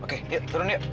oke yuk turun yuk